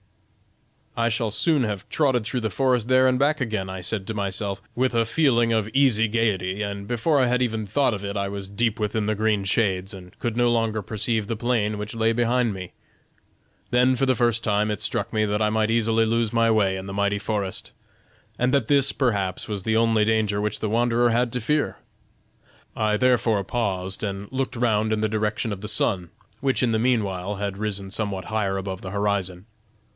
'I shall soon have trotted through the forest there and back again,' I said to myself, with a feeling of easy gayety, and before I had even thought of it I was deep within the green shades, and could no longer perceive the plain which lay behind me. Then for the first time it struck me that I might easily lose my way in the mighty forest, and that this perhaps was the only danger which the wanderer had to fear. I therefore paused and looked round in the direction of the sun, which in the mean while had risen somewhat higher above the horizon.